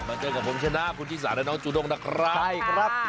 มาเจอกับผมชนะคุณธิสาและน้องจุดงนะครับ